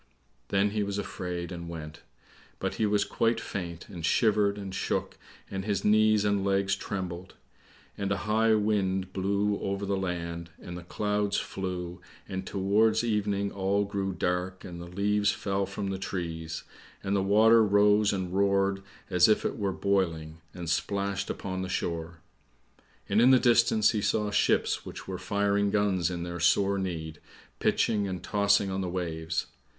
Then he was afraid and went; but he was quite faint, and shivered and shook, and his knees and legs trembled. And a high wind blew over the land, and the clouds flew, and towards evening all grew dark, and the leaves fell from the trees, and the water rose and roared as if it were boiling, and splashed upon the shore. And in the distance he saw ships which were firing guns in their sore need, pitching and tossing on the waves.